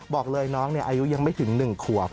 บอกเลยน้องอายุยังไม่ถึง๑ขวบ